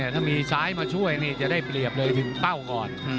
ถ้ามีซ้ายมาช่วยนี่จะได้เปรียบเลยถึงเป้าก่อน